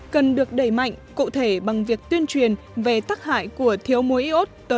cần được đẩy mạnh cụ thể bằng việc tuyên truyền về tắc hại y ốt